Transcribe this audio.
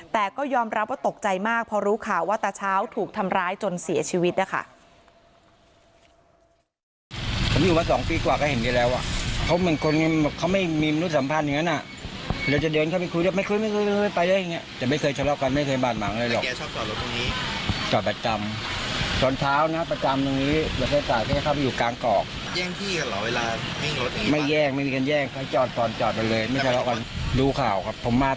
แต่ก็ยอมรับว่าตกใจมากเพราะรู้ข่าวว่าตาเช้าถูกทำร้ายจนเสียชีวิตนะคะ